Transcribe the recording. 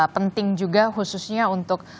penting juga khususnya untuk